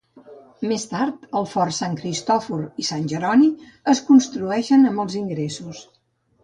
Més tard, el fort Sant Cristòfor i Sant Jeroni es construeixen amb els ingressos.